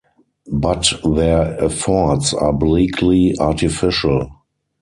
But their efforts are bleakly artificial.